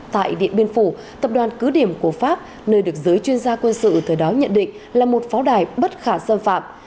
tại điện biên phủ tập đoàn cứ điểm của pháp nơi được giới chuyên gia quân sự thời đó nhận định là một pháo đài bất khả xâm phạm